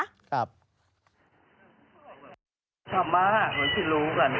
ชอบเมื่อกี๊มากอยากขึ้นรู้ว่าก่อน